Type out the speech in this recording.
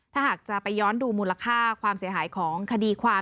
ถ้าหากจะไปย้อนดูมูลค่าความเสียหายของคดีความ